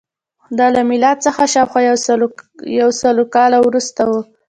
دا له میلاد څخه شاوخوا یو سل کاله وروسته وه